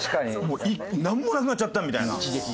もうなんもなくなっちゃったみたいな。